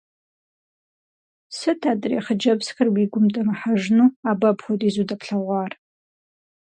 Сыт адрей хъыджэбзхэр уи гум дэмыхьэжыну, абы апхуэдизу дэплъэгъуар?